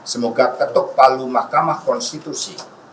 semoga ketuk palu mahkamah konstitusi